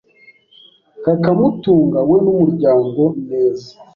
kakamutunga we n’umuryango neza